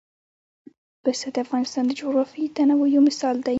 پسه د افغانستان د جغرافیوي تنوع یو مثال دی.